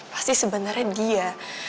pasti sebenarnya dia